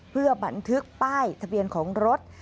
เพื่อบันทึกป้ายทะเบียนของรถ